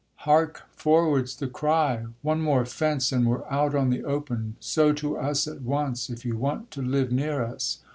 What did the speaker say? Hark forward's the cry! One more fence and we're out on the open, So to us at once, if you want to live near us!